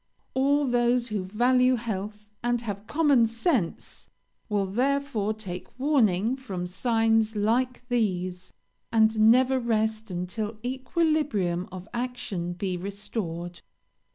'All those who value health, and have common sense, will therefore take warning from signs like these, and never rest until equilibrium of action be restored.'